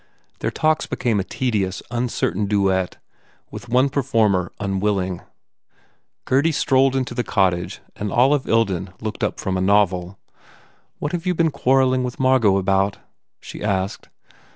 Their talks became a tedious, uncertain duet with one performer unwilling. Gurdy strolled into the cottage and Olive Ilden looked up from a novel. "What have you been quarrelling with Margot about?" she asked.